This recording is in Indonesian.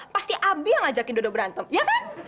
pasti abi yang ajakin dodo berantem ya kan